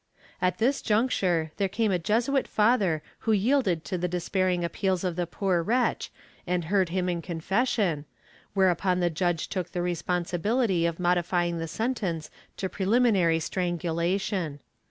At this juncture there came a Jesuit father who yielded to the despairing appeals of the poor wretch and heard him in confession, whereupon the judge took the responsibility of modifying the sentence to preliminary strangulation.